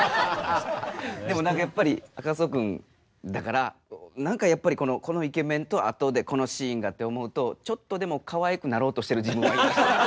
でも何かやっぱり赤楚君だから何かやっぱりこのイケメンとあとでこのシーンがって思うとちょっとでもかわいくなろうとしてる自分がいました。